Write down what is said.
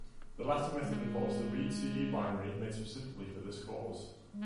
The latter method involves the readcd binary, made specifically for this cause.